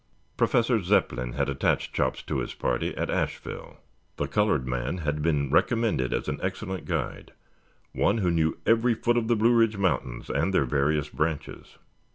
Professor Zepplin had attached Chops to his party at Asheville. The colored man had been recommended as an excellent guide, one who knew every foot of the Blue Ridge Mountains and their various branches.